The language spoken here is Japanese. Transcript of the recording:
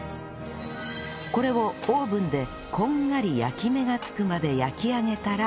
これをオーブンでこんがり焼き目がつくまで焼き上げたら